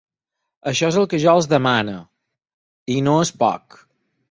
Això és el que jo els demane, i no és poc.